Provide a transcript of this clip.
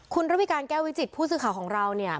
คุณระวิการแก้ววิจิตผู้สื่อข่าวของเราเนี่ย